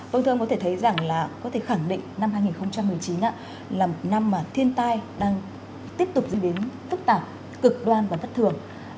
vâng thưa ông có thể thấy rằng là có thể khẳng định năm hai nghìn một mươi chín là một năm mà thiên tai đang tiếp tục diễn biến phức tạp cực đoan và bất thường